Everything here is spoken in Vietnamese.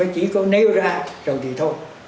chứ không nêu ra rồi thì thôi